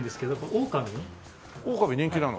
オオカミ人気なの？